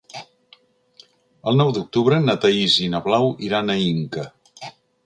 El nou d'octubre na Thaís i na Blau iran a Inca.